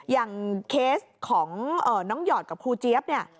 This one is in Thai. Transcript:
อย่างเคสของน้องหยอดกับครูเจี๊ยบ